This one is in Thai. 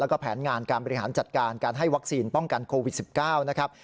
แล้วก็แผนงานการบริหารจัดการการให้วัคซีนป้องกันโควิด๑๙นะครับ